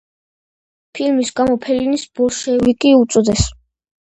ფილმის გამო ფელინის ბოლშევიკი უწოდეს.